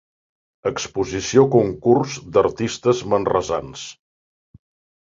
Exposició Concurs d'Artistes Manresans.